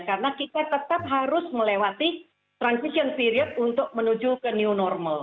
karena kita tetap harus melewati transition period untuk menuju ke new normal